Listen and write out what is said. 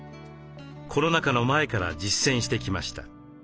コロナ禍の前から実践してきました。